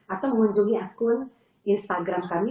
atau mengunjungi akun instagram kami